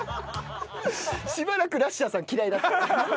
しばらくラッシャーさん嫌いだった。